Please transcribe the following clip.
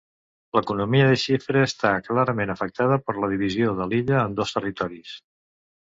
L'economia de Xipre està clarament afectada per la divisió de l'illa en dos territoris.